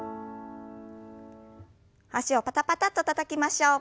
脚をパタパタッとたたきましょう。